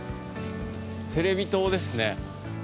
テレビ塔ですね。